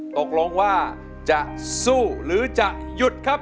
ตกลงว่าจะสู้หรือจะหยุดครับ